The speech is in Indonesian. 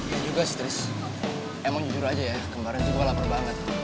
gak juga sih tris emang jujur aja ya kemarin gue lapar banget